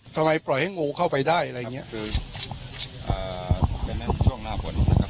ทำไมปล่อยให้งูเข้าไปได้อะไรอย่างเงี้ยคืออ่าเป็นแม่งช่วงหน้าผลนะครับ